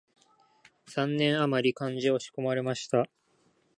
三年あまり漢学を仕込まれました